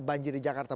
banjir di jakarta